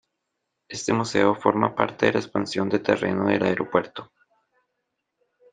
Este museo forma parte de la expansión de terreno del aeropuerto.